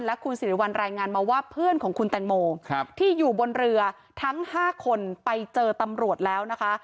และคุณสิริวัลรายงานมาว่าเพื่อนของคุณแตงโมที่อยู่บนเรือทั้ง๕คนไปเจอตำรวจแล้วนะคะ